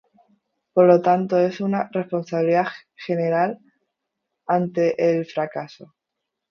Por lo tanto, es una responsabilidad generacional ante el fracaso.